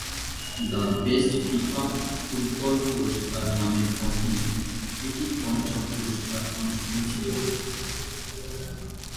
The best FIFA football পুরস্কার নামের অধীনে এটি পঞ্চম পুরস্কার অনুষ্ঠান ছিল।